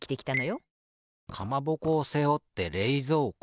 かまぼこをせおってれいぞうこ。